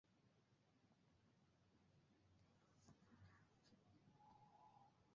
এরপর সে মারা যায় এবং তার ত্বক শক্ত হয়ে যায়।